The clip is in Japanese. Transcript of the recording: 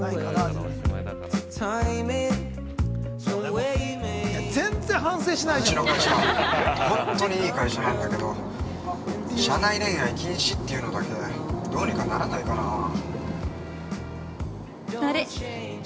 うちの会社、ほんとにいい会社なんだけど社内恋愛禁止っていうのだけ、どうにかならないかなぁ。